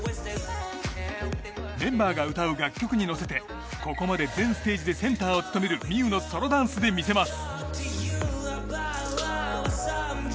メンバーが歌う楽曲に乗せてここまで全ステージでセンターを務めるＭｉＹＵのソロダンスで見せます。